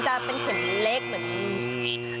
มันจะเป็นเข็มเล็กเหมือน